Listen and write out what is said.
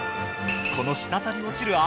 この滴り落ちる脂。